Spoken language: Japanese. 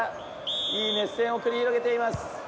いい熱戦を繰り広げています。